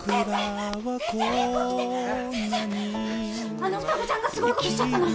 あの双子ちゃんがすごいことしちゃったの！